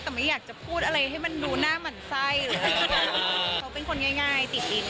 แต่ไม่อยากจะพูดอะไรให้มันดูหน้ามันไส้เลย